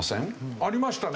ありましたね。